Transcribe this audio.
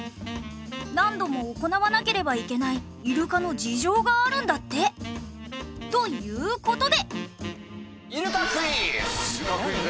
何度も行わなければいけないイルカの事情があるんだって。という事で。